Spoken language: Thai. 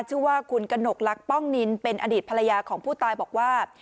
ชื่อว่าคุณกระหนกลักษ้องนินเป็นอดีตภรรยาของผู้ตายบอกว่า